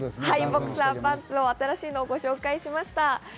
ボクサーパンツの新しいのを紹介しました。